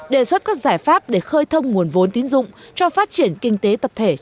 đề xuất các giải pháp để khơi thông nguồn vốn tín dụng cho phát triển kinh tế tập thể trên cả nước